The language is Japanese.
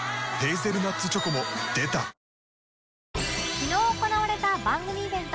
昨日行われた番組イベント